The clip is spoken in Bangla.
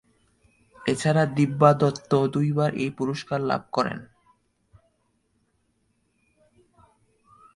এছাড়া দিব্যা দত্ত দুইবার এই পুরস্কার লাভ করেন।